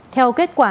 theo kết quả